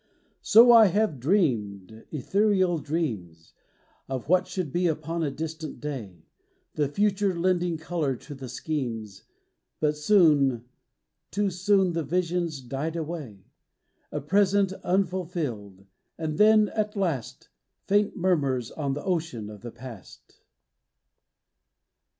So I have dreamed ethereal dreams Ot what should be upon a distant day, The future lending color to the schemes, But soon, too soon, the visions died away — A present unfulfilled, and then, at last, Faint murmurs on the ocean of the past.